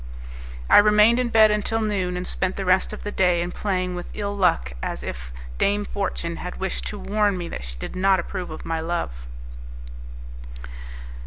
I remained in bed until noon, and spent the rest of the day in playing with ill luck, as if Dame Fortune had wished to warn me that she did not approve of my love.